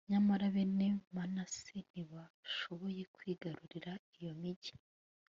nyamara bene manase ntibashoboye kwigarurira iyo migi